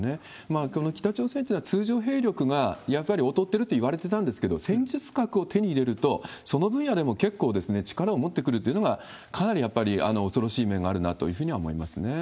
この北朝鮮というのは、通常兵力がやっぱり劣ってるといわれてたんですけど、戦術核を手に入れると、その分野でも結構力を持ってくるというのが、かなりやっぱり恐ろしい面があるなと思いますね。